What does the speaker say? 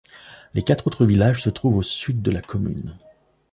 Les quatre autres villages se trouvent au sud de la commune.